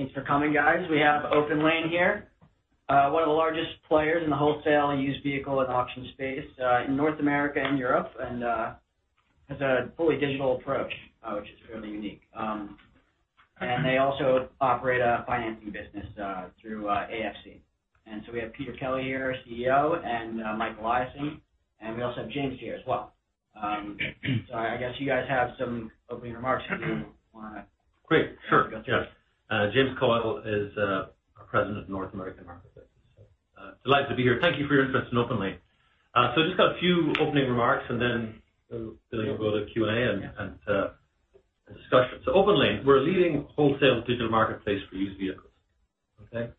Thanks for coming, guys. We have OPENLANE here. One of the largest players in the wholesale used vehicle and auction space in North America and Europe. And has a fully digital approach which is fairly unique. And they also operate a financing business through AFC. And so we have Peter Kelly here CEO and Michael Eliason. And we also have James here as well. So I guess you guys have some opening remarks if you wanna. Great. Sure. Go through. Yes. James Coyle is our President of North American Marketplaces. So delighted to be here. Thank you for your interest in OPENLANE. So I just got a few opening remarks and then we'll go to Q and A and discussion. So OPENLANE we're a leading wholesale digital marketplace for used vehicles. Okay?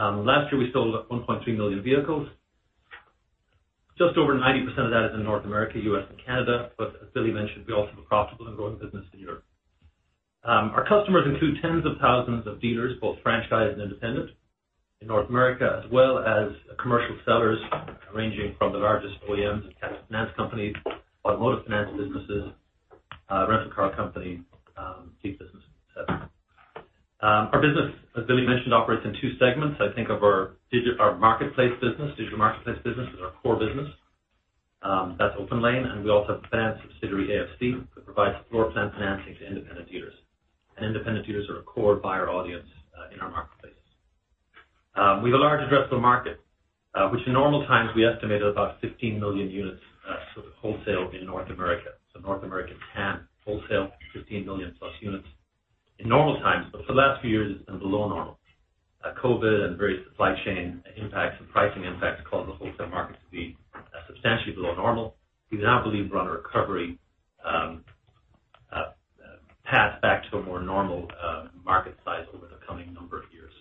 Last year we sold 1.3 million vehicles. Just over 90% of that is in North America U.S. and Canada. But as Billy mentioned we also have a profitable and growing business in Europe. Our customers include tens of thousands of dealers both franchised and independent in North America as well as commercial sellers ranging from the largest OEMs and captive finance companies automotive finance businesses rental car company Jeep business etc. Our business as Billy mentioned operates in two segments. I think of our digital marketplace business as our core business. That's OPENLANE. We also have a finance subsidiary AFC that provides floor plan financing to independent dealers. Independent dealers are a core buyer audience in our marketplace. We have a large addressable market which in normal times we estimated about 15 million units sort of wholesale in North America. North America can wholesale 15 million plus units in normal times. For the last few years it's been below normal. COVID and various supply chain impacts and pricing impacts caused the wholesale market to be substantially below normal. We now believe we're on a recovery path back to a more normal market size over the coming number of years.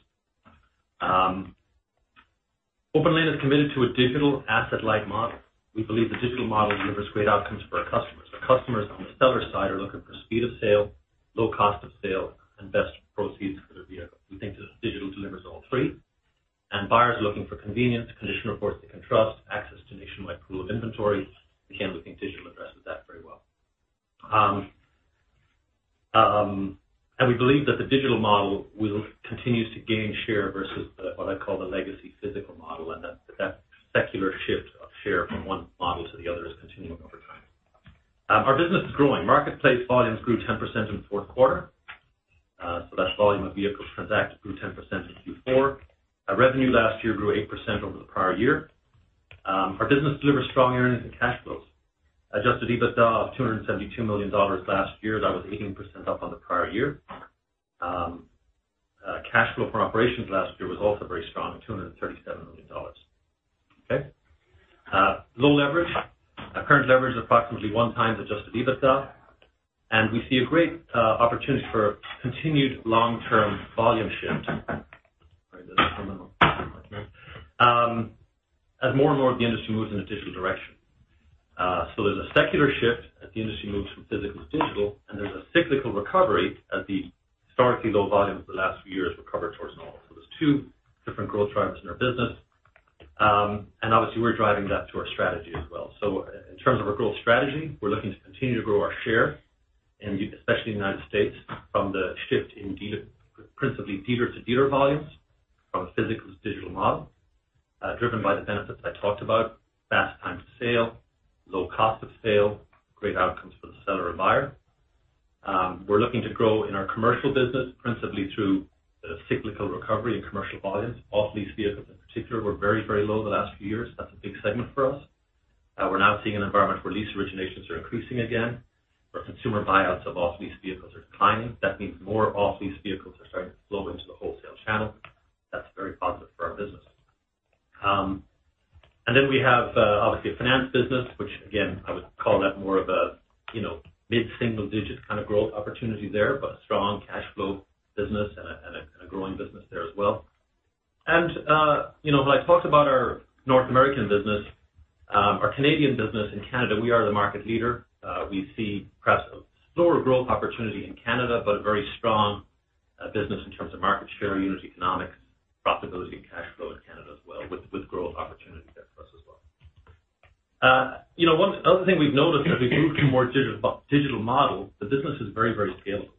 OPENLANE is committed to a digital asset-like model. We believe the digital model delivers great outcomes for our customers. Our customers on the seller side are looking for speed of sale, low cost of sale, and best proceeds for their vehicle. We think the digital delivers all three. Buyers are looking for convenience, condition reports they can trust, access to nationwide pool of inventory. Again, we think digital addresses that very well. We believe that the digital model will continue to gain share versus what I call the legacy physical model. That secular shift of share from one model to the other is continuing over time. Our business is growing. Marketplace volumes grew 10% in the fourth quarter. That volume of vehicle transactions grew 10% in Q4. Revenue last year grew 8% over the prior year. Our business delivers strong earnings and cash flows. Adjusted EBITDA of $272 million last year. That was 18% up on the prior year. Cash flow from operations last year was also very strong at $237 million. Okay? Low leverage. Current leverage is approximately 1x Adjusted EBITDA. And we see a great opportunity for continued long-term volume shift. All right. There's a terminal marking there. As more and more of the industry moves in a digital direction. So there's a secular shift as the industry moves from physical to digital. And there's a cyclical recovery as the historically low volumes of the last few years recover towards normal. So there's two different growth drivers in our business. And obviously we're driving that to our strategy as well. So in terms of our growth strategy, we're looking to continue to grow our share and especially in the United States from the shift in dealer principally dealer-to-dealer volumes from a physical to digital model, driven by the benefits I talked about: fast time to sale, low cost of sale, great outcomes for the seller and buyer. We're looking to grow in our commercial business principally through the cyclical recovery in commercial volumes. Off-lease vehicles in particular were very very low the last few years. That's a big segment for us. We're now seeing an environment where lease originations are increasing again. Where consumer buyouts of off-lease vehicles are declining. That means more off-lease vehicles are starting to flow into the wholesale channel. That's very positive for our business. Then we have obviously a finance business which again I would call that more of a, you know, mid-single digit kinda growth opportunity there. But a strong cash flow business and a growing business there as well. You know when I talked about our North American business, our Canadian business in Canada, we are the market leader. We see perhaps a slower growth opportunity in Canada but a very strong business in terms of market share, unit economics, profitability, and cash flow in Canada as well with growth opportunity there for us as well. You know, one other thing we've noticed as we've moved to more digital to digital model, the business is very very scalable.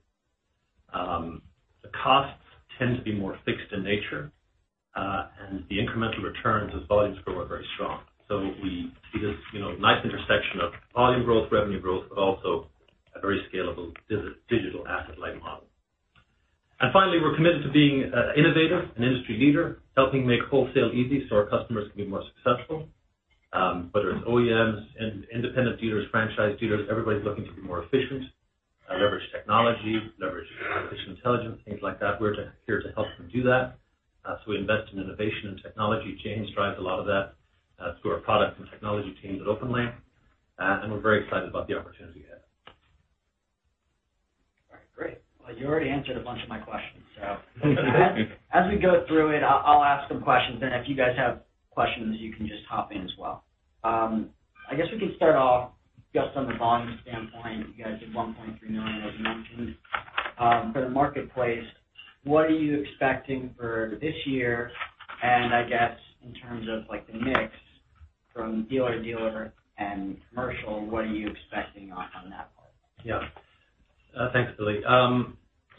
The costs tend to be more fixed in nature, and the incremental returns as volumes grow are very strong. So we see this, you know, nice intersection of volume growth, revenue growth, but also a very scalable digital asset-like model. And finally, we're committed to being innovative, an industry leader, helping make wholesale easy so our customers can be more successful. Whether it's OEMs, independent dealers, franchised dealers, everybody's looking to be more efficient, leverage technology, leverage artificial intelligence, things like that. We're here to help them do that. So we invest in innovation and technology. James drives a lot of that through our product and technology teams at OPENLANE. And we're very excited about the opportunity ahead. All right. Great. Well, you already answered a bunch of my questions. So as we go through it, I'll ask some questions. And if you guys have questions, you can just hop in as well. I guess we can start off just on the volume standpoint. You guys did 1.3 million, as you mentioned, for the marketplace. What are you expecting for this year? And I guess in terms of like the mix from dealer to dealer and commercial, what are you expecting on that part? Yeah. Thanks, Billy.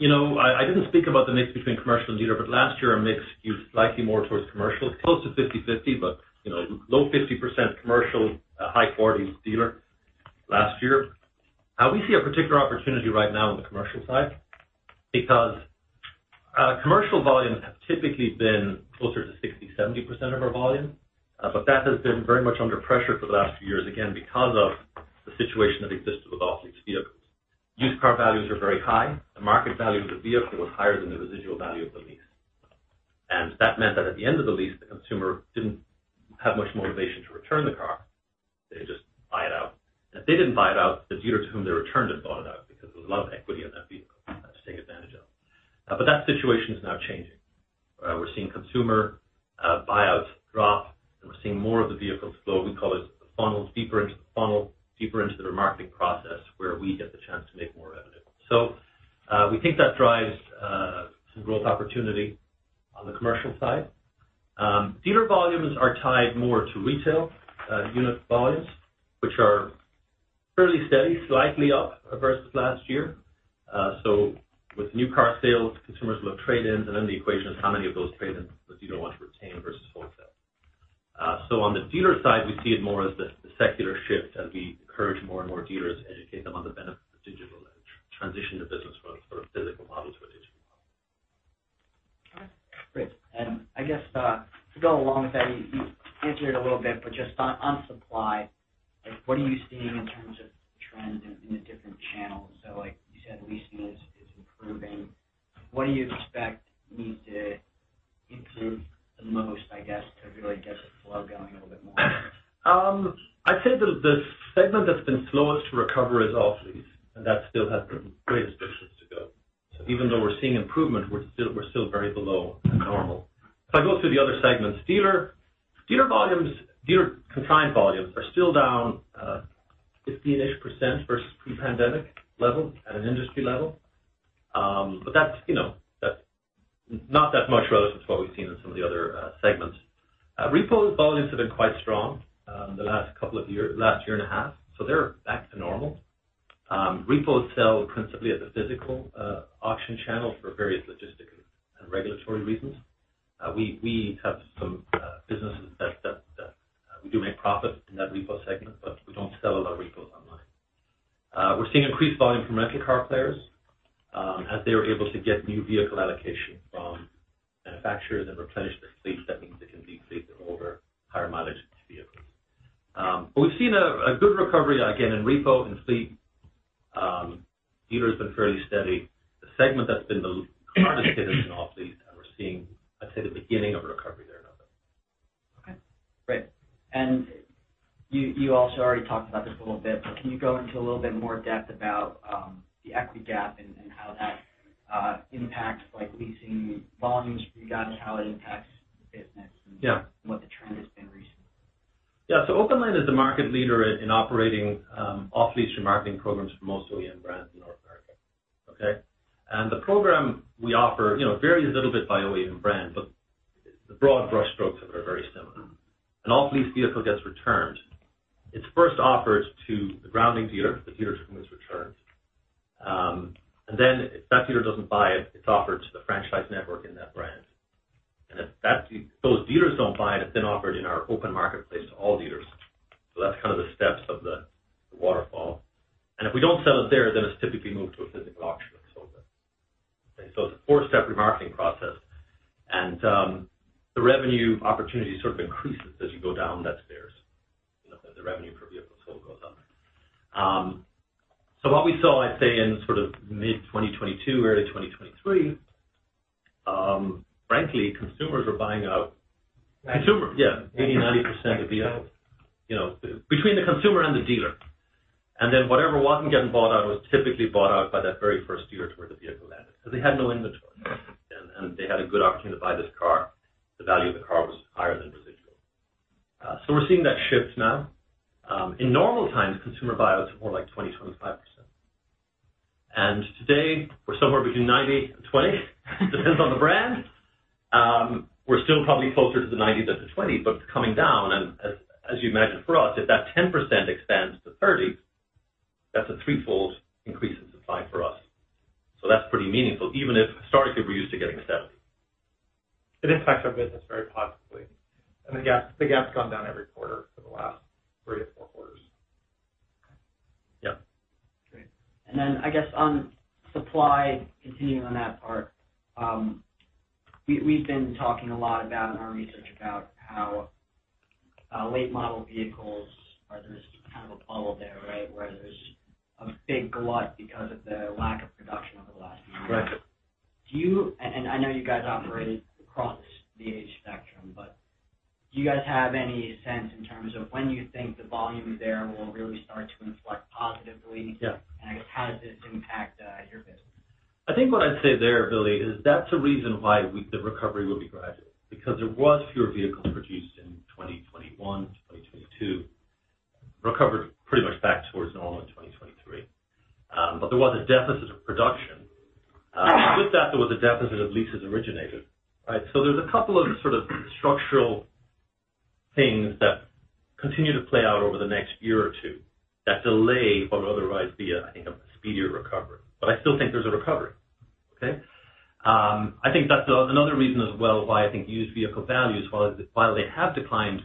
You know, I didn't speak about the mix between commercial and dealer. But last year our mix skewed slightly more towards commercial close to 50/50. But you know low 50% commercial high 40s dealer last year. We see a particular opportunity right now on the commercial side because commercial volumes have typically been closer to 60-70% of our volume. But that has been very much under pressure for the last few years again because of the situation that existed with off-lease vehicles. Used car values are very high. The market value of the vehicle was higher than the residual value of the lease. And that meant that at the end of the lease the consumer didn't have much motivation to return the car. They just buy it out. If they didn't buy it out, the dealer to whom they returned it bought it out because there was a lot of equity in that vehicle to take advantage of. But that situation is now changing. We're seeing consumer buyouts drop. We're seeing more of the vehicles flow. We call it the funnel deeper into the funnel deeper into the remarketing process where we get the chance to make more revenue. We think that drives some growth opportunity on the commercial side. Dealer volumes are tied more to retail unit volumes which are fairly steady, slightly up versus last year. With new car sales, consumers will have trade-ins. Then the equation is how many of those trade-ins does the dealer want to retain versus wholesale. So on the dealer side we see it more as the secular shift as we encourage more and more dealers educate them on the benefits of digital and transition the business from a sort of physical model to a digital model. Okay. Great. And I guess to go along with that you answered it a little bit. But just on supply like what are you seeing in terms of trends in the different channels? So like you said leasing is improving. What do you expect needs to improve the most I guess to really get the flow going a little bit more? I'd say the segment that's been slowest to recover is off-lease. And that still has the greatest distance to go. So even though we're seeing improvement, we're still very below normal. If I go through the other segments, dealer volumes, dealer consignment volumes are still down 15-ish% versus pre-pandemic level at an industry level. But that's, you know, that's not that much relative to what we've seen in some of the other segments. Repo volumes have been quite strong the last couple of years, last year and a half. So they're back to normal. Repos sell principally at the physical auction channel for various logistical and regulatory reasons. We have some businesses that we do make profits in that repo segment. But we don't sell a lot of repos online. We're seeing increased volume from rental car players as they're able to get new vehicle allocation from manufacturers and replenish their fleet. That means they can deplete their older higher mileage vehicles. But we've seen a good recovery again in repo and fleet. Dealers have been fairly steady. The segment that's been the hardest hit is in off-lease. And we're seeing I'd say the beginning of a recovery there in OPENLANE. Okay. Great. You also already talked about this a little bit. But can you go into a little bit more depth about the equity gap and how that impacts like leasing volumes for you guys? How it impacts the business? Yeah. What the trend has been recently? Yeah. So OPENLANE is the market leader in operating off-lease remarketing programs for most OEM brands in North America. Okay? And the program we offer you know it varies a little bit by OEM brand. But the broad brushstrokes of it are very similar. An off-lease vehicle gets returned. It's first offered to the grounding dealer the dealer to whom it's returned. And then if that dealer doesn't buy it it's offered to the franchise network in that brand. And if those dealers don't buy it it's then offered in our open marketplace to all dealers. So that's kinda the steps of the waterfall. And if we don't sell it there then it's typically moved to a physical auction and sold there. Okay? So it's a four-step remarketing process. And the revenue opportunity sort of increases as you go down that stairs. You know the revenue per vehicle still goes up. So what we saw, I'd say, in sort of mid-2022 early 2023 frankly consumers were buying out. Consumers? Yeah. 80-90% of vehicles. You know, between the consumer and the dealer. And then whatever wasn't getting bought out was typically bought out by that very first year to where the vehicle landed. 'Cause they had no inventory. And and they had a good opportunity to buy this car. The value of the car was higher than residual. So we're seeing that shift now. In normal times consumer buyouts are more like 20-25%. And today we're somewhere between 90 and 20. It depends on the brand. We're still probably closer to the 90 than the 20. But it's coming down. And as you imagine for us if that 10% expands to 30 that's a threefold increase in supply for us. So that's pretty meaningful even if historically we're used to getting 70. It impacts our business very positively. The gap's gone down every quarter for the last three-four quarters. Yeah. Great. And then I guess on supply, continuing on that part we've been talking a lot about in our research about how late model vehicles are, there's kind of a bubble there, right? Where there's a big glut because of the lack of production over the last few years. Right. Do you and I know you guys operate across the age spectrum. But do you guys have any sense in terms of when you think the volume there will really start to inflect positively? Yeah. I guess how does this impact your business? I think what I'd say there Billy is that's a reason why we the recovery will be gradual. Because there was fewer vehicles produced in 2021 2022. Recovered pretty much back towards normal in 2023. But there was a deficit of production. With that there was a deficit of leases originated. Right? So there's a couple of sort of structural things that continue to play out over the next year or two that delay but otherwise be a I think a speedier recovery. But I still think there's a recovery. Okay? I think that's another reason as well why I think used vehicle values while it while they have declined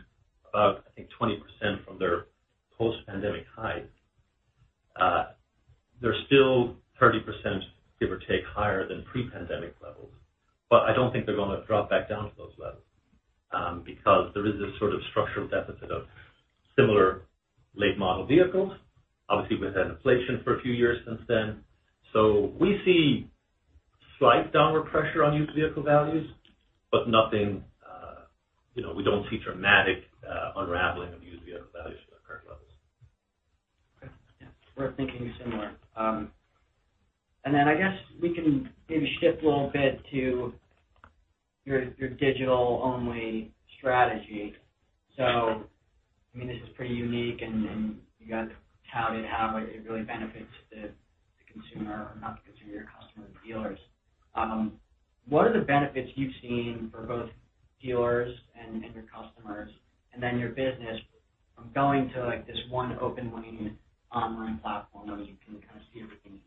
about I think 20% from their post-pandemic highs they're still 30% give or take higher than pre-pandemic levels. But I don't think they're gonna drop back down to those levels. because there is this sort of structural deficit of similar late model vehicles obviously with an inflation for a few years since then. So we see slight downward pressure on used vehicle values. But nothing you know we don't see dramatic unraveling of used vehicle values from their current levels. Okay. Yeah. We're thinking similar. And then I guess we can maybe shift a little bit to your digital-only strategy. So I mean this is pretty unique and you got to tout it how it really benefits the consumer or not the consumer, your customer the dealers. What are the benefits you've seen for both dealers and your customers and then your business from going to like this one OPENLANE online platform where you can kinda see everything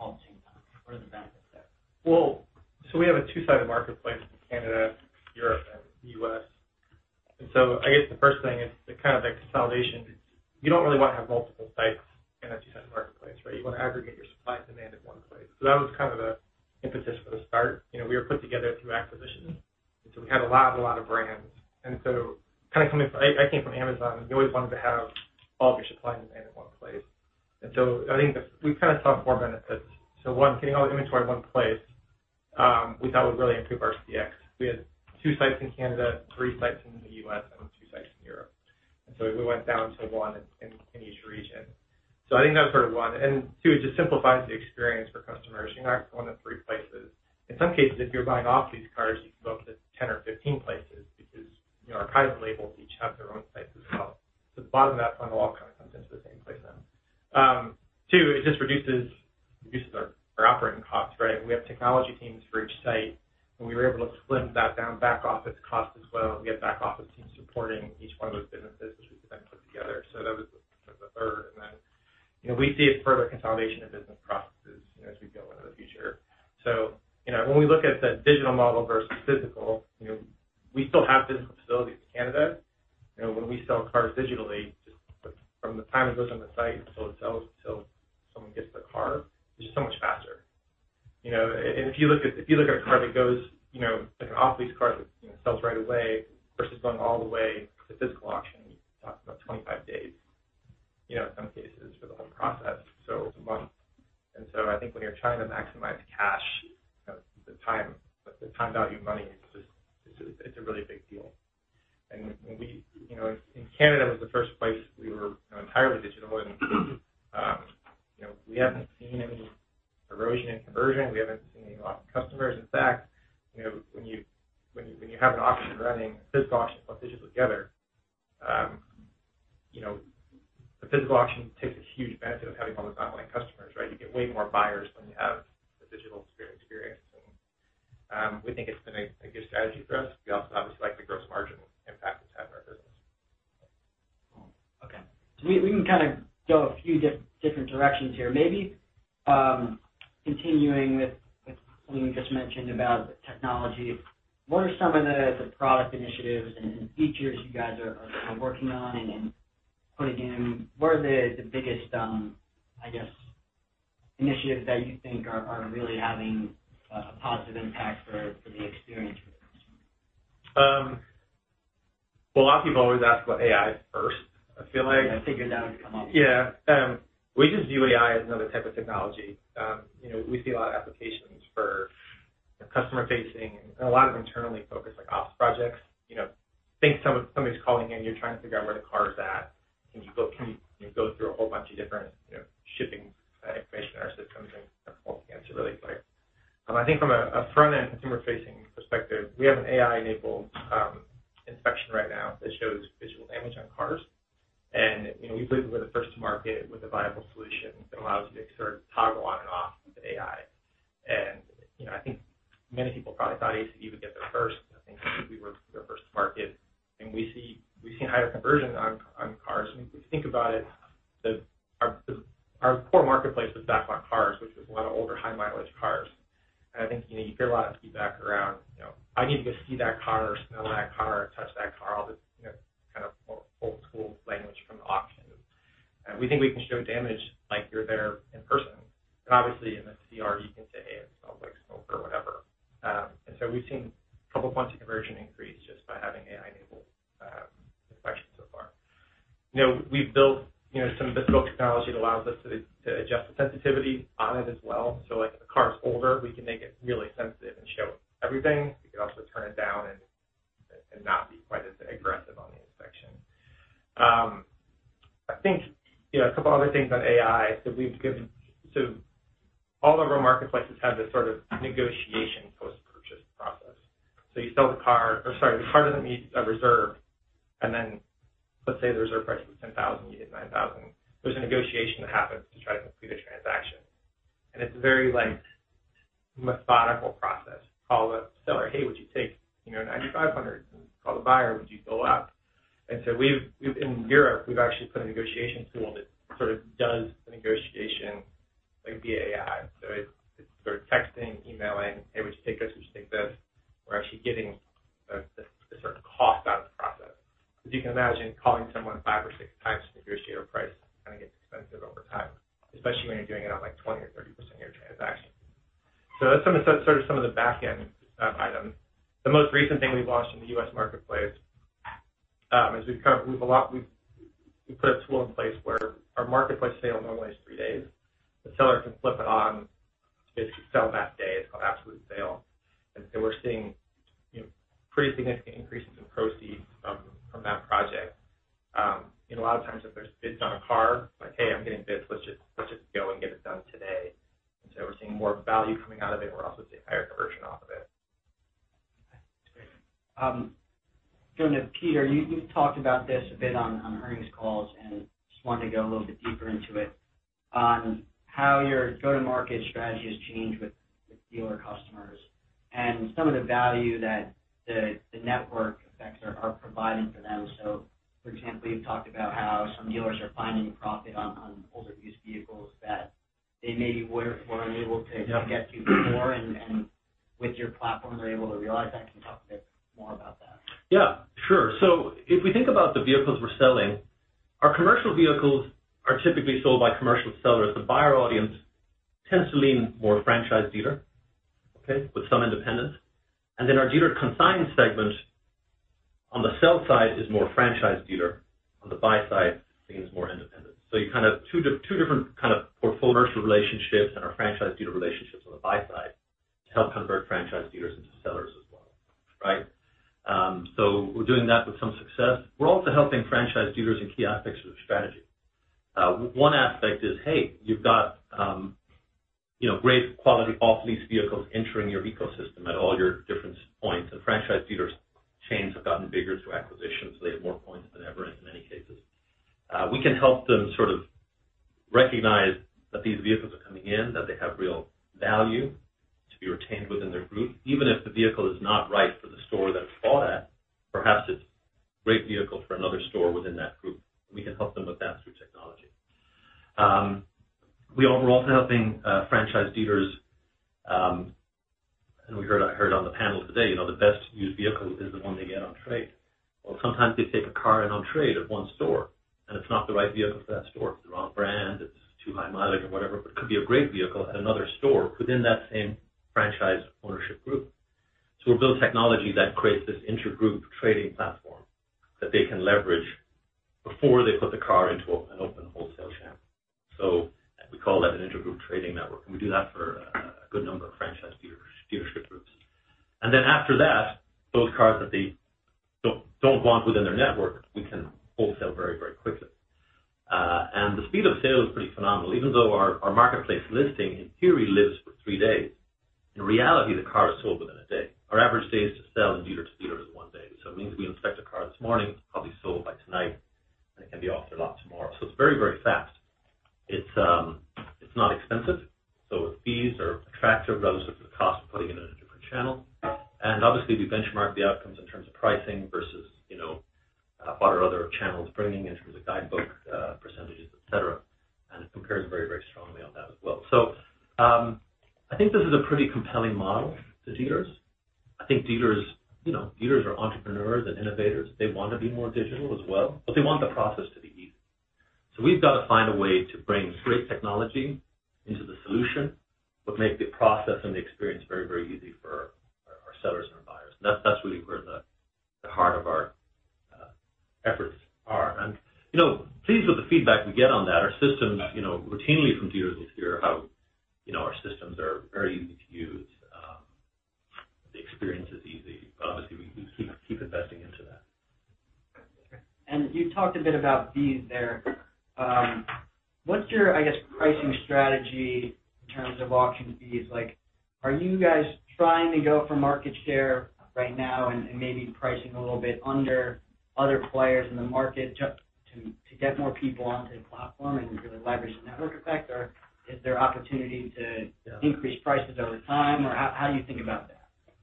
all at the same time? What are the benefits there? Well, so we have a two-sided marketplace in Canada, Europe, and the US. And so, I guess the first thing is kinda the consolidation. You don't really wanna have multiple sites in a two-sided marketplace, right? You wanna aggregate your supply and demand at one place. So that was kinda the impetus for the start. You know we were put together through acquisitions. And so we had a lot a lot of brands. And so, kinda coming from, I came from Amazon. You always wanted to have all of your supply and demand at one place. And so I think we kinda saw four benefits. So one, getting all the inventory at one place, we thought would really improve our CX. We had two sites in Canada, three sites in the US, and two sites in Europe. So we went down to one in each region. So I think that was sort of one. And two it just simplifies the experience for customers. You're not going to three places. In some cases if you're buying off-lease cars you can go up to 10 or 15 places because you know original lessors each have their own sites as well. So the bottom of that funnel all kinda comes into the same place then. Two it just reduces our operating costs right? We have technology teams for each site. And we were able to split that down back office cost as well. We had back office teams supporting each one of those businesses which we could then put together. So that was the third. And then you know we see it further consolidation of business processes you know as we go into the future. So you know when we look at the digital model versus physical you know we still have physical facilities in Canada. You know when we sell cars digitally just from the time it goes on the site until it sells until someone gets the car it's just so much faster. You know and if you look at a car that goes you know like an off-lease car that you know sells right away versus going all the way to physical auction we talk about 25 days. You know in some cases for the whole process. A month. And so I think when you're trying to maximize cash you know the time value of money is just it's a really big deal. And we, you know, in Canada was the first place we were, you know, entirely digital. And you know we We just view AI as another type of technology. You know we see a lot of applications for you know customer facing and a lot of internally focused like ops projects. You know think some of somebody's calling in you're trying to figure out where the car's at. Can you you know go through a whole bunch of different you know shipping information in our systems and kinda hold the answer really quick. I think from a front-end consumer facing perspective we have an AI-enabled inspection right now that shows visual damage on cars. And you know we believe we're the first to market with a like via AI. So it's sort of texting, emailing, hey, would you take this? Would you take this? We're actually getting the sort of cost out of the process. As you can imagine, calling someone five or six times to negotiate a price kinda gets expensive over time. Especially when you're doing it on like 20% or 30% of your transaction. So that's some of the sort of back-end stuff items. The most recent thing we've launched in the U.S. marketplace is we've come a lot, we've put a tool in place where our marketplace sale normally is three days. The seller can flip it on to basically sell that day. It's called Absolute Sale. And so we're seeing, you know, pretty significant increases in proceeds from that project. You know a lot of times if there's bids on a car like hey I'm getting bids let's just go and get it done today. And so we're seeing more value coming out of it. We're also seeing higher conversion off of it. Okay. Great. Going to Peter, you've talked about this a bit on earnings calls and just wanted to go a little bit deeper into it on how your go-to-market strategy has changed with dealer customers. And some of the value that the network effects are providing for them. So for example, you've talked about how some dealers are finding profit on older used vehicles that they maybe weren't unable to. Yeah. To get to before. With your platform they're able to realize that. Can you talk a bit more about that? Yeah. Sure. So if we think about the vehicles we're selling, our commercial vehicles are typically sold by commercial sellers. The buyer audience tends to lean more franchise dealer, okay, with some independence. And then our dealer consignment segment on the sell side is more franchise dealer. On the buy-side leans more independence. So you kinda two different kind of portfolio. Commercial relationships and our franchise dealer relationships on the buy-side to help convert franchise dealers into sellers as well. Right? So we're doing that with some success. We're also helping franchise dealers in key aspects of the strategy. One aspect is hey, you've got you know great quality off-lease vehicles entering your ecosystem at all your different points. And franchise dealer chains have gotten bigger through acquisitions. They have more points than ever in many cases. We can help them sort of recognize that these vehicles are coming in that they have real value to be retained within their group. Even if the vehicle is not right for the store that it's bought at, perhaps it's a great vehicle for another store within that group. We can help them with that through technology. We're also helping franchise dealers, and we heard—I heard—on the panel today, you know, the best used vehicle is the one they get on trade. Well, sometimes they take a car in on trade at one store and it's not the right vehicle for that store. It's the wrong brand. It's too high mileage or whatever. But it could be a great vehicle at another store within that same franchise ownership group. So we've built technology that creates this intergroup trading platform that they can leverage before they put the car into an open wholesale channel. So we call that an intergroup trading network. And we do that for a good number of franchise dealers dealership groups. And then after that those cars that they don't want within their network we can wholesale very very quickly. And the speed of sale is pretty phenomenal. Even though our marketplace listing in theory lives for three days in reality the car is sold within a day. Our average days to sell in dealer to dealer is one day. So it means we inspect a car this morning it's probably sold by tonight. And it can be off their lot tomorrow. So it's very very fast. It's not expensive. So the fees are attractive relative to the cost of putting it in a different channel. Obviously we benchmark the outcomes in terms of pricing versus you know what are other channels bringing in terms of Black Book percentages et cetera. It compares very very strongly on that as well. So I think this is a pretty compelling model to dealers. I think dealers you know dealers are entrepreneurs and innovators. They want to be more digital as well. But they want the process to be easy. So we've gotta find a way to bring great technology into the solution but make the process and the experience very very easy for our our sellers and our buyers. That's that's really where the the heart of our efforts are. You know pleased with the feedback we get on that. Our systems you know routinely from dealers we hear how you know our systems are very easy to use. The experience is easy. But obviously we keep investing into that. Okay. And you talked a bit about fees there. What's your I guess pricing strategy in terms of auction fees? Like are you guys trying to go for market share right now and and maybe pricing a little bit under other players in the market to to to get more people onto the platform and really leverage the network effect? Or is there opportunity to. Yeah. Increase prices over time? Or how do you think about that?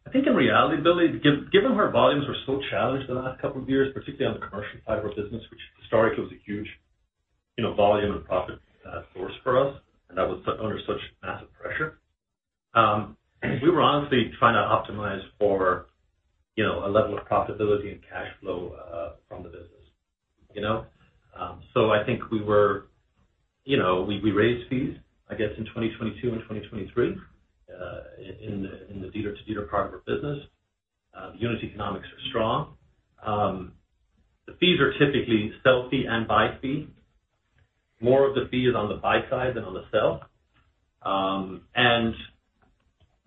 I think in reality, Billy, given our volumes we're so challenged the last couple of years particularly on the commercial side of our business which historically was a huge you know volume and profit source for us. And that was under such massive pressure. We were honestly trying to optimize for you know a level of profitability and cash flow from the business. You know? So I think we were you know we raised fees I guess in 2022 and 2023 in the dealer to dealer part of our business. The unit economics are strong. The fees are typically sell fee and buy fee. More of the fee is on the buy-side than on the sell. And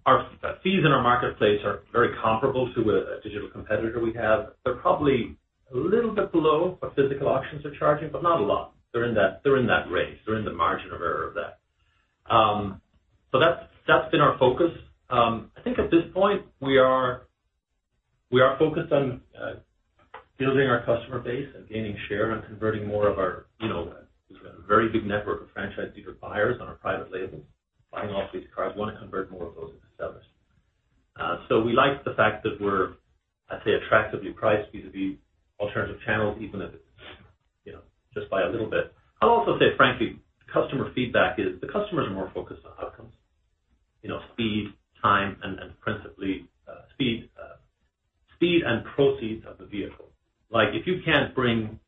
our fees in our marketplace are very comparable to a digital competitor we have. They're probably a little bit below what physical auctions are charging, but not a lot. They're in that range. They're in the margin of error of that. So that's been our focus. I think at this point we are focused on building our customer base and gaining share and converting more of our, you know, we've got a very big network of franchise dealer buyers on our private labels buying off-lease cars. We wanna convert more of those into sellers. So we like the fact that we're, I'd say, attractively priced vis-à-vis alternative channels even if it's, you know, just by a little bit. I'll also say, frankly, the customer feedback is the customers are more focused on outcomes. You know, speed, time, and principally speed and proceeds of the vehicle. Like if you can't bring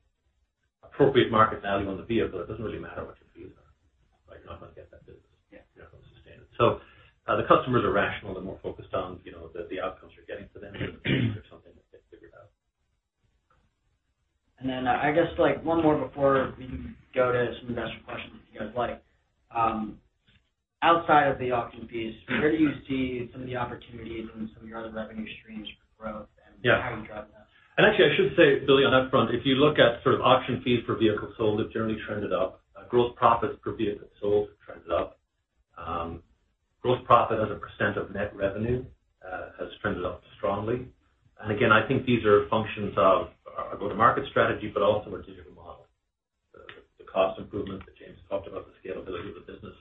appropriate market value on the vehicle it doesn't really matter what your fees are. Right? You're not gonna get that business. Yeah. You're not gonna sustain it. So the customers are rational. They're more focused on you know the outcomes you're getting to them. There's something that they've figured out. Then I guess like one more before we go to some investor questions if you guys like. Outside of the auction fees, where do you see some of the opportunities in some of your other revenue streams for growth and? Yeah. How are you driving that? And actually I should say Billy on that front if you look at sort of auction fees for vehicles sold they've generally trended up. Gross profits per vehicle sold have trended up. Gross profit as a percent of net revenue has trended up strongly. And again I think these are functions of our our go-to-market strategy but also our digital model. The the cost improvement that James talked about the scalability of the business.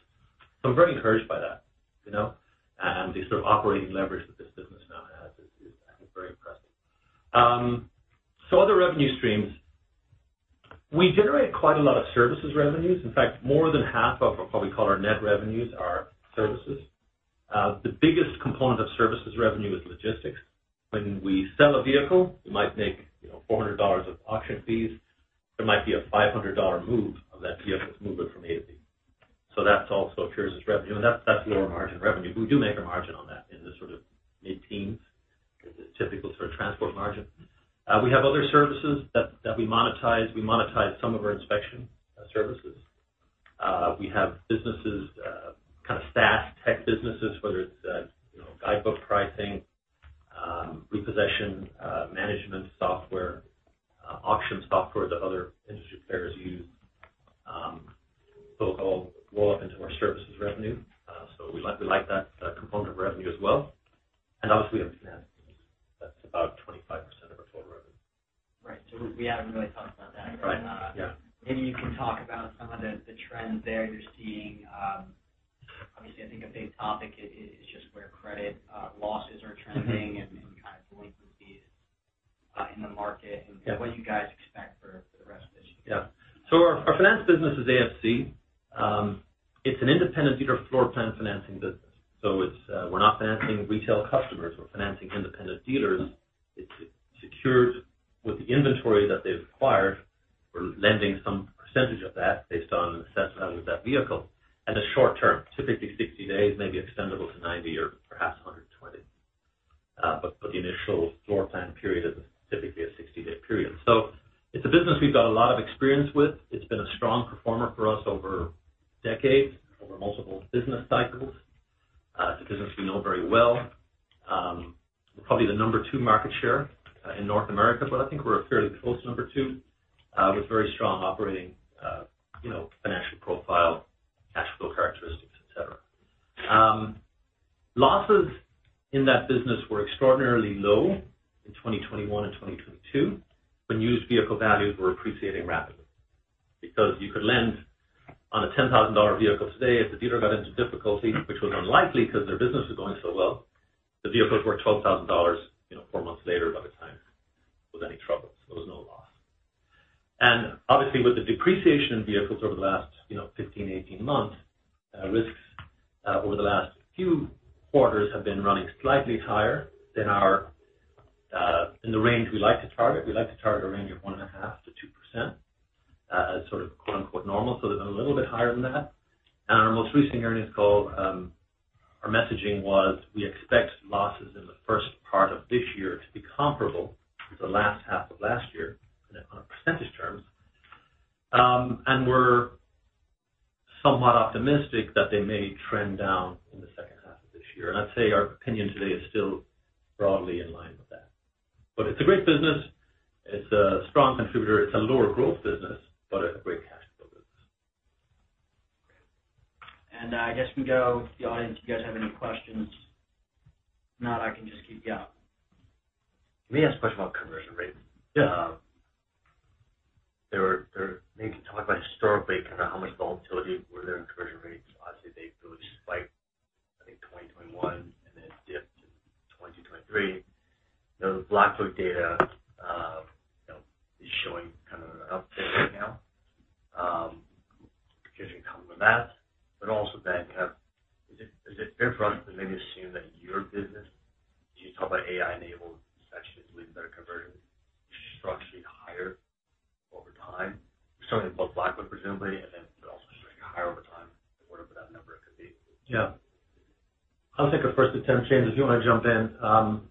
So I'm very encouraged by that you know. And the sort of operating leverage that this business now has is is I think very impressive. So other revenue streams we generate quite a lot of services revenues. In fact more than half of what we call our net revenues are services. The biggest component of services revenue is logistics. When we sell a vehicle we might make you know $400 of auction fees. There might be a $500 move of that vehicle's movement from A to B. So that's also ancillary revenue. And that's that's lower margin revenue. But we do make a margin on that in the sort of mid-teens. It's a typical sort of transport margin. We have other services that that we monetize. We monetize some of our inspection services. We have businesses kinda SaaS tech businesses whether it's you know guidebook pricing repossession management software auction software that other industry players use. So it'll all roll up into our services revenue. So we like we like that component of revenue as well. And obviously we have finance. That's about 25% of our total revenue. Right. So we haven't really talked about that yet. Right. Yeah. Maybe you can talk about some of the trends there you're seeing. Obviously I think a big topic is just where credit losses are trending and kinda delinquencies in the market and. Yeah. What you guys expect for the rest of this year? Yeah. So our finance business is AFC. It's an independent dealer floor plan financing business. So it's we're not financing retail customers. We're financing independent dealers. It's secured with the inventory that they've acquired. We're lending some percentage of that based on the assessment value of that vehicle at the short term. Typically 60 days maybe extendable to 90 or perhaps 120. But the initial floor plan period is typically a 60-day period. So it's a business we've got a lot of experience with. It's been a strong performer for us over decades over multiple business cycles. It's a business we know very well. We're probably the number two market share in North America. But I think we're a fairly close number two with very strong operating you know financial profile cash flow characteristics et cetera. Losses in that business were extraordinarily low in 2021 and 2022. When used vehicle values were appreciating rapidly. Because you could lend on a $10,000 vehicle today if the dealer got into difficulty which was unlikely 'cause their business was going so well the vehicles were $12,000 you know four months later by the time with any trouble. So there was no loss. And obviously with the depreciation in vehicles over the last you know 15-18 months risks over the last few quarters have been running slightly higher than our than the range we like to target. We like to target a range of 1.5%-2% as sort of quote unquote normal. So they've been a little bit higher than that. Our most recent earnings call, our messaging was we expect losses in the first part of this year to be comparable with the last half of last year on a percentage terms. And we're somewhat optimistic that they may trend down in the second half of this year. And I'd say our opinion today is still broadly in line with that. But it's a great business. It's a strong contributor. It's a lower growth business but a great cash flow business. Okay. And I guess we can go with the audience. Do you guys have any questions? If not, I can just keep you out. Can we ask a question about conversion rates? Yeah. They were maybe talking about historically kinda how much volatility were there in conversion rates. Obviously they've really spiked, I think, in 2021 and then dipped in 2023. You know the Black Book data you know is showing kinda an update right now. Confusion coming with that. But also then kinda is it fair for us to maybe assume that your business as you talk about AI-enabled inspections leading better conversions is structurally higher over time? Certainly above Black Book presumably and then but also structurally higher over time or whatever that number could be. Yeah. I'll take a first attempt James if you wanna jump in.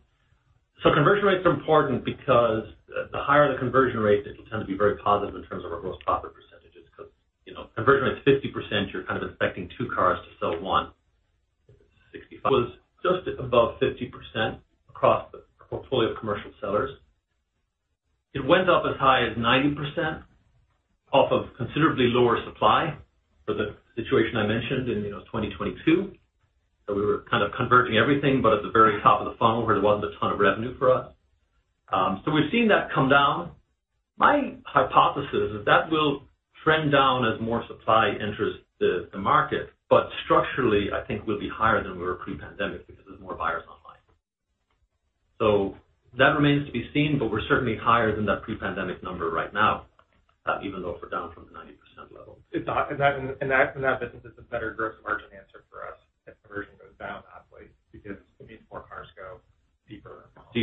Conversion rate's important because the higher the conversion rate it'll tend to be very positive in terms of our gross profit percentages. 'Cause you know conversion rate's 50% you're kinda inspecting two cars to sell one. 65. Was just above 50% across the portfolio of commercial sellers. It went up as high as 90% off of considerably lower supply for the situation I mentioned in you know 2022. So we were kind of converting everything but at the very top of the funnel where there wasn't a ton of revenue for us. We've seen that come down. My hypothesis is that will trend down as more supply enters the market. But structurally I think we'll be higher than we were pre-pandemic because there's more buyers online. That remains to be seen but we're certainly higher than that pre-pandemic number right now even though we're down from the 90% level. It's open in that business. It's a better gross margin answer for us if conversion goes down oddly because it means more cars go deeper and. Deeper, and we get, yeah.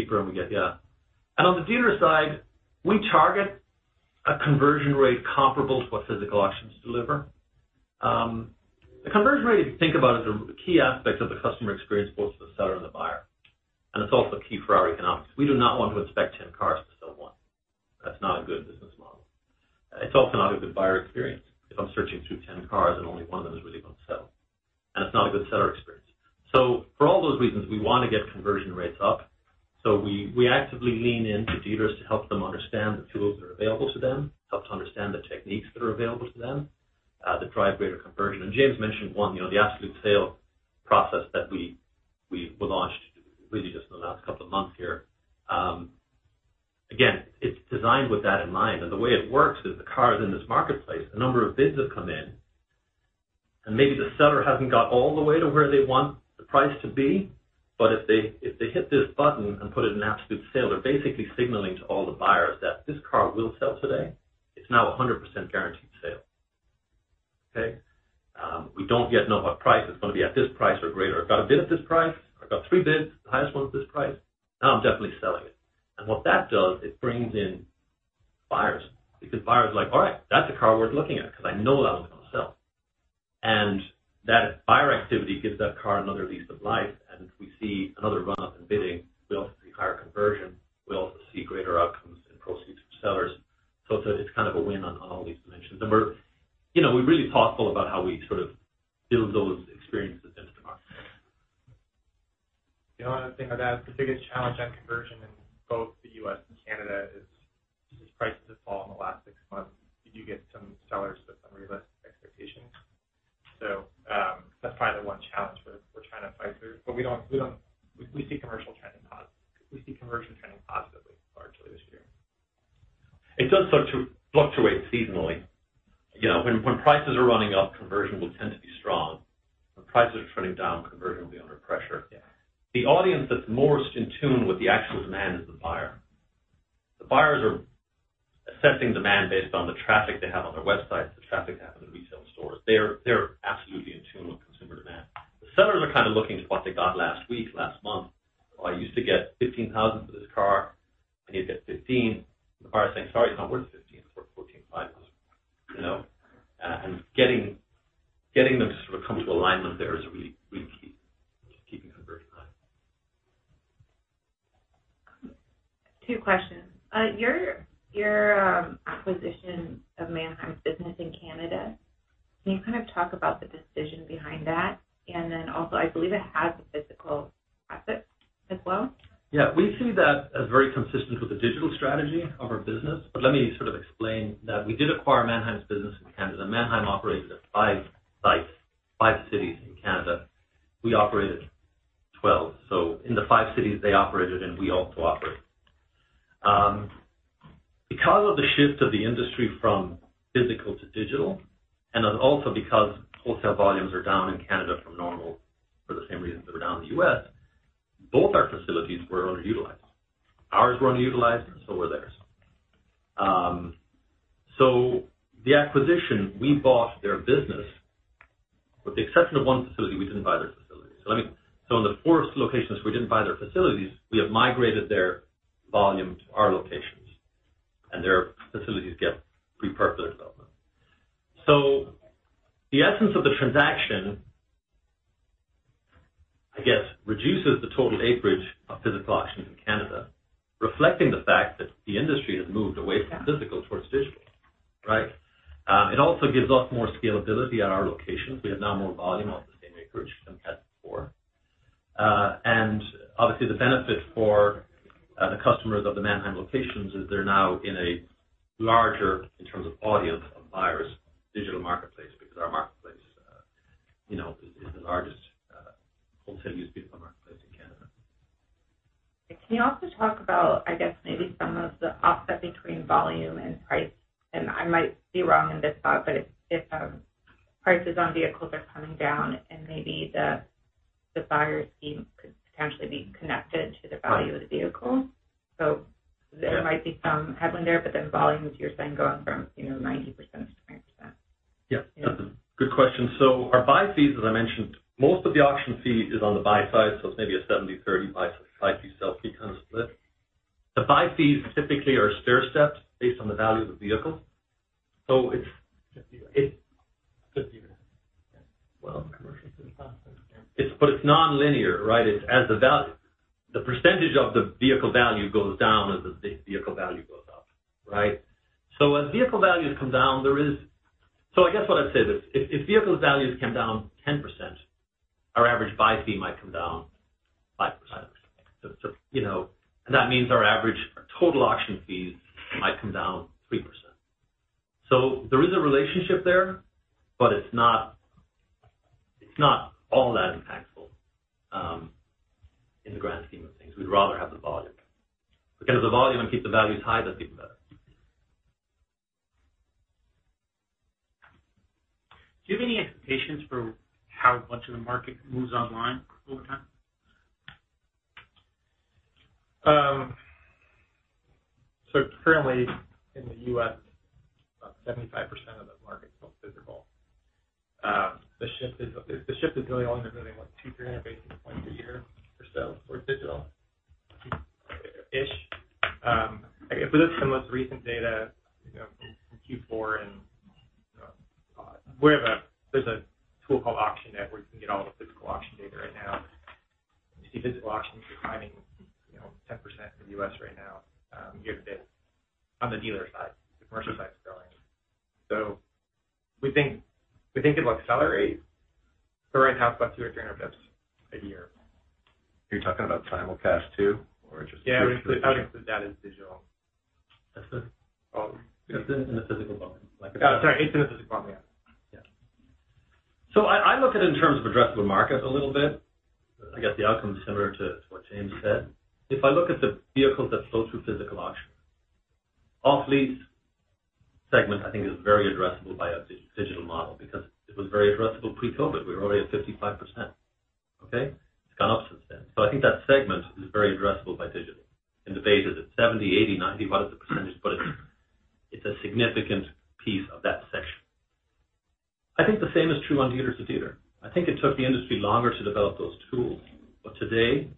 And on the dealer side, we target a conversion rate comparable to what physical auctions deliver. The conversion rate, if you think about it, is a key aspect of the customer experience both for the seller and the buyer. And it's also key for our economics. We do not want to inspect 10 cars to sell one. That's not a good business model. It's also not a good buyer experience if I'm searching through 10 cars and only one of them is really gonna sell. And it's not a good seller experience. So for all those reasons, we wanna get conversion rates up. So we actively lean into dealers to help them understand the tools that are available to them. Help to understand the techniques that are available to them that drive greater conversion. And James mentioned one, you know, the Absolute Sale process that we launched really just in the last couple of months here. Again, it's designed with that in mind. And the way it works is the car is in this marketplace. A number of bids have come in. And maybe the seller hasn't got all the way to where they want the price to be. But if they hit this button and put it in Absolute Sale, they're basically signaling to all the buyers that this car will sell today. It's now 100% guaranteed sale. Okay? We don't yet know what price. It's gonna be at this price or greater. I've got a bid at this price. I've got three bids. The highest one's this price. Now I'm definitely selling it. And what that does, it brings in buyers. Because buyers are like, all right, that's a car worth looking at 'cause I know that one's gonna sell. And that buyer activity gives that car another lease of life. And if we see another run-up in bidding, we also see higher conversion. We also see greater outcomes in proceeds from sellers. So it's kind of a win on all these dimensions. And we're, you know, we're really thoughtful about how we sort of build those experiences into the market. The only other thing I'd add, the biggest challenge on conversion in both the U.S. and Canada is since prices have fallen the last six months, do you get some sellers with unrealistic expectations? So that's probably the one challenge we're trying to fight through. But we don't see commercial trending positively. We see conversion trending positively largely this year. It does fluctuate seasonally. You know when prices are running up conversion will tend to be strong. When prices are trending down conversion will be under pressure. Yeah. The audience that's more in tune with the actual demand is the buyer. The buyers are assessing demand based on the traffic they have on their websites. The traffic they have in the retail stores. They're absolutely in tune with consumer demand. The sellers are kinda looking to what they got last week last month. Oh I used to get $15,000 for this car. I need to get 15. The buyer's saying sorry it's not worth 15. It's worth fourteen five. You know? And getting them to sort of come to alignment there is really really key to keeping conversion high. Two questions. Your acquisition of Manheim's business in Canada, can you kinda talk about the decision behind that? And then also, I believe it has a physical asset as well. Yeah. We see that as very consistent with the digital strategy of our business. But let me sort of explain that. We did acquire Manheim's business in Canada. Manheim operated at five sites, five cities in Canada. We operated 12. So in the five cities they operated and we also operate, because of the shift of the industry from physical to digital and also because wholesale volumes are down in Canada from normal for the same reasons that they're down in the U.S., both our facilities were underutilized. Ours were underutilized and so were theirs. So the acquisition, we bought their business with the exception of one facility, we didn't buy their facility. So let me, in the four locations we didn't buy their facilities, we have migrated their volume to our locations. And their facilities get repurposed for development. So the essence of the transaction I guess reduces the total acreage of physical auctions in Canada reflecting the fact that the industry has moved away from physical towards digital. Right? It also gives us more scalability at our locations. We have now more volume off the same acreage than we had before. And obviously the benefit for the customers of the Manheim locations is they're now in a larger in terms of audience of buyers digital marketplace because our marketplace you know is the largest wholesale used vehicle marketplace in Canada. Can you also talk about, I guess maybe, some of the offset between volume and price? And I might be wrong in this thought, but if prices on vehicles are coming down and maybe the buyer's scheme could potentially be connected to the value of the vehicle. So there might be some headwind there, but then volumes you're saying going from, you know, 90% to 20%. Yeah. That's a good question. So our buy fees as I mentioned most of the auction fee is on the buy-side. So it's maybe a 70-30 buy fee sell fee kinda split. The buy fees typically are stair steps based on the value of the vehicle. So it's well commercial is pretty positive. It's but it's non-linear right? It's as the value the percentage of the vehicle value goes down as the vehicle value goes up. Right? So as vehicle values come down there is so I guess what I'd say is if vehicle values come down 10% our average buy fee might come down 5%. So you know and that means our average total auction fees might come down 3%. There is a relationship there but it's not all that impactful in the grand scheme of things. We'd rather have the volume. Because of the volume and keep the values high that's even better. Do you have any expectations for how much of the market moves online over time? Currently in the U.S. about 75% of the market's both physical. The shift is really only moving like 200-300 basis points a year or so towards digital-ish. If we look at the most recent data you know from Q4 and you know there's a tool called AuctionNet where you can get all the physical auction data right now. You see physical auctions declining you know 10% in the U.S. right now year-to-date on the dealer side. The commercial side's growing. So we think it'll accelerate. So right now it's about 200 or 300 basis points a year. Are you talking about time will pass too or just? Yeah, I would include that as digital. That's the. Oh, it's in the physical volume. Like a. Oh, sorry, it's in the physical volume, yeah. Yeah. So I look at it in terms of addressable market a little bit. I guess the outcome's similar to what James said. If I look at the vehicles that go through physical auction off-lease segment I think is very addressable by a digital model because it was very addressable pre-COVID. We were already at 55%. Okay? It's gone up since then. So I think that segment is very addressable by digital. And the base is it's 70 80 90 what is the percentage? But it's a significant piece of that section. I think the same is true on dealer-to-dealer. I think it took the industry longer to develop those tools. But today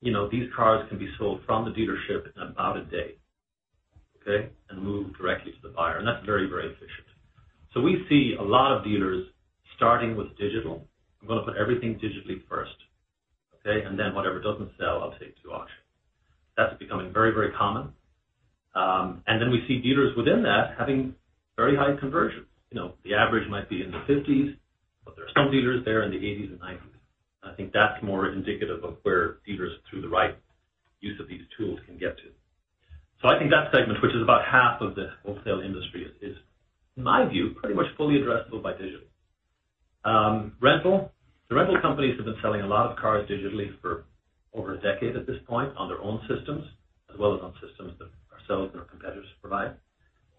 you know these cars can be sold from the dealership in about a day. Okay? And move directly to the buyer. And that's very very efficient. So we see a lot of dealers starting with digital. I'm gonna put everything digitally first. Okay? And then whatever doesn't sell I'll take to auction. That's becoming very, very common. And then we see dealers within that having very high conversions. You know the average might be in the 50s but there are some dealers there in the 80s and 90s. And I think that's more indicative of where dealers through the right use of these tools can get to. So I think that segment which is about half of the wholesale industry is in my view pretty much fully addressable by digital. Rental the rental companies have been selling a lot of cars digitally for over a decade at this point on their own systems as well as on systems that ourselves and our competitors provide.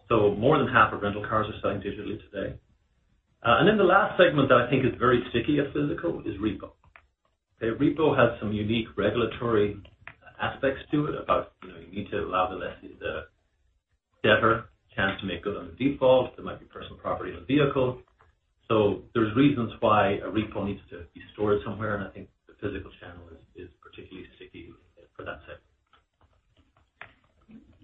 So more than half of rental cars are selling digitally today. And then the last segment that I think is very sticky at physical is repo. Okay? Repo has some unique regulatory aspects to it about you know you need to allow the lessee the debtor chance to make good on the default. There might be personal property in the vehicle. So there's reasons why a repo needs to be stored somewhere. And I think the physical channel is particularly sticky for that segment.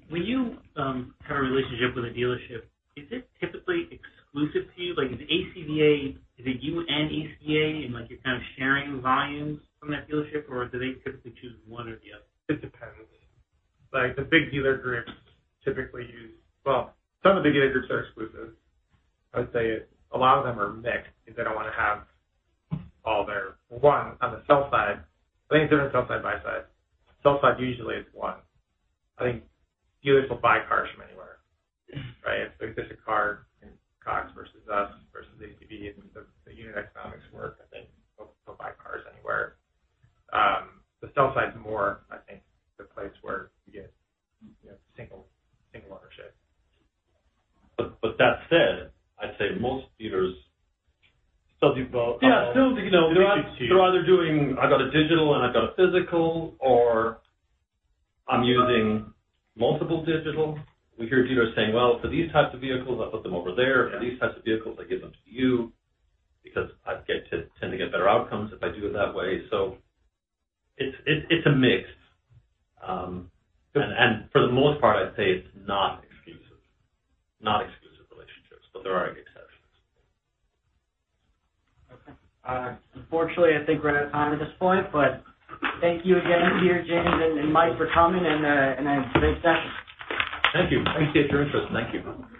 When you have a relationship with a dealership, is it typically exclusive to you? Like, is ACVA—is it you and ACVA, and like you're kinda sharing volumes from that dealership? Or do they typically choose one or the other? It depends. Like the big dealer groups typically use—well, some of the dealer groups are exclusive. I would say a lot of them are mixed. They don't wanna have all their one on the sell side. I think it's different sell side buy-side. Sell side usually is one. I think dealers will buy cars from anywhere. Right? If there's a car in Cox versus us versus ACVA and the unit economics work, I think they'll buy cars anywhere. The sell side's more—I think the place where you get, you know, single ownership. But that said, I'd say most dealers still do both. Yeah, still, you know, they're either. They're either doing "I've got a digital and I've got a physical" or "I'm using multiple digital." We hear dealers saying, "Well, for these types of vehicles, I put them over there. Yeah. For these types of vehicles, I give them to you because I tend to get better outcomes if I do it that way. So it's a mix. For the most part, I'd say it's not exclusive. Not exclusive relationships, but there are exceptions. Okay. Unfortunately, I think we're out of time at this point. But thank you again to you, James and Mike, for coming and a great session. Thank you. I appreciate your interest. Thank you.